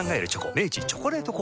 明治「チョコレート効果」